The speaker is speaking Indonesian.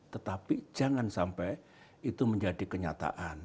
tetapi jangan sampai itu menjadi kenyataan